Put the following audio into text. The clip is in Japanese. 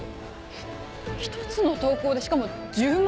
えっ１つの投稿でしかも１０万